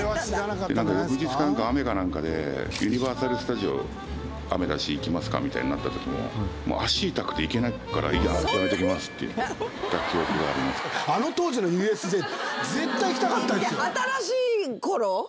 なんか翌日になんか雨かなんかで、ユニバーサル・スタジオ雨だし行きますかみたいになったときも、もう足痛くて行けないから、やめておきますって言った記憶があの当時のＵＳＪ、絶対行き新しいころ？